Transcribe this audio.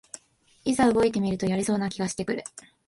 いざ動いてみるとやれそうな気がしてくる